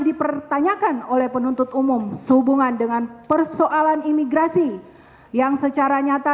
dipertanyakan oleh penuntut umum sehubungan dengan persoalan imigrasi yang secara nyata